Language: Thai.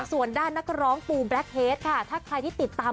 ส่วนด้านนักร้องปุลแบล็ดเหตุส่วนใครที่ติดตาม